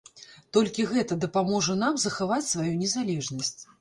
Толькі гэта дапаможа нам захаваць сваю незалежнасць.